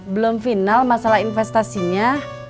belum final masalah investasinya